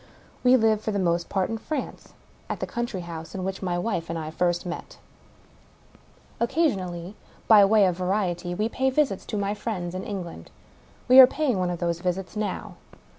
We live for the most part in France — ^at the country house in which my wife and I first met. Occasionally, by way of variety, we pay visits to my friends in England. We are paying one of those visits now.